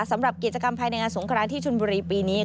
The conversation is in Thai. สำหรับกิจกรรมภายในงานสงครานที่ชนบุรีปีนี้